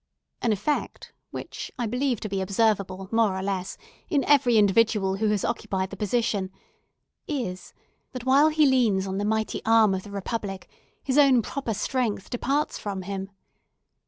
An effect—which I believe to be observable, more or less, in every individual who has occupied the position—is, that while he leans on the mighty arm of the Republic, his own proper strength departs from him.